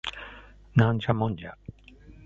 ナンジャモンジャ